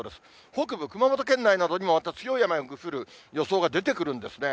北部、熊本県内などにも、また強い雨が降る予想が出てくるんですね。